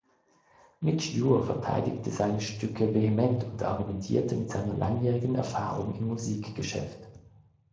Midge Ure verteidigte seine Stücke vehement und argumentierte mit seiner langjährigen Erfahrung im Musikgeschäft.